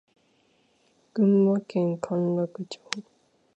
群馬県甘楽町